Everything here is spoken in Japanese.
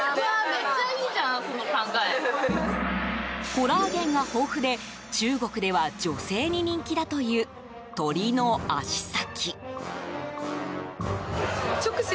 コラーゲンが豊富で中国では女性に人気だという、鶏の足先。